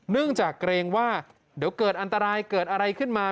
เนื่องจากเกรงว่าเดี๋ยวเกิดอันตรายเกิดอะไรขึ้นมา